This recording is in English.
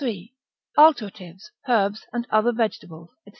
—_Alteratives, Herbs, other Vegetables, &c.